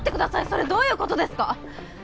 それどういうことですか？